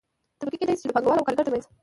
طبقې کيدى شي چې د پانګه وال او کارګر ترمنځ